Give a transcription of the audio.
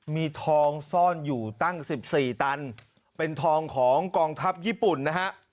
มีทองซ่อนอยู่ตั้ง๑๔ตันเป็นทองของกองทัพญี่ปุ่นนะฮะ